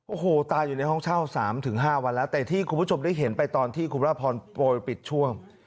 โอ้โหตายอยู่ในห้องเช่า๓๕วันแล้วแต่ที่คุณผู้ชมได้เห็นไปตอนที่คุณพระพรโปรยปิดช่วง